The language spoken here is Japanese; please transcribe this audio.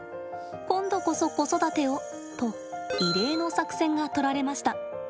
今度こそ子育てをと異例の作戦がとられました。